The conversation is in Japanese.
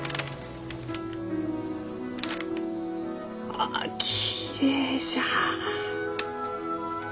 ああきれいじゃ。